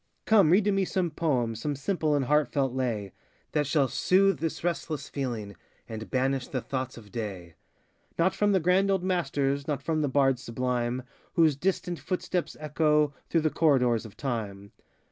Come, read to me some poem, Some simple and heartfelt lay, That shall soothe this restless feeling, And banish the thoughts of day. Not from the grand old masters, Not from the bards sublime, Whose distant footsteps echo Through the corridors of Time.